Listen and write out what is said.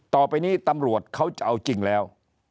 ต่อไปนี้ตำรวจเขาจะเอาจริงแล้ว